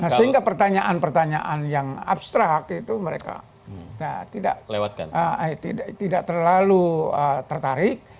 sehingga pertanyaan pertanyaan yang abstrak itu mereka tidak terlalu tertarik